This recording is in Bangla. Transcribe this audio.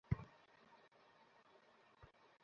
খুব ব্যাথা করছে!